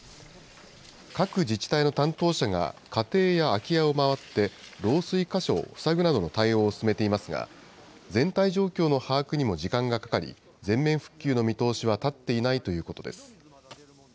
各自治体の担当者が家庭や空き家を回って、漏水箇所を塞ぐなどの対応を進めていますが、全体状況の把握にも時間がかかり、全面復旧の見通しは立っていないということです。